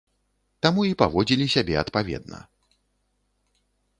Таму і паводзілі сябе адпаведна.